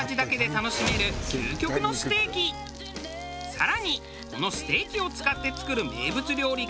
更にこのステーキを使って作る名物料理が。